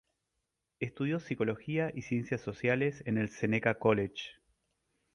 Estudió psicología y ciencias sociales en "Seneca College".